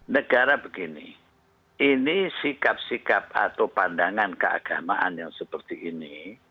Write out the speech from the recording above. negara begini ini sikap sikap atau pandangan keagamaan yang seperti ini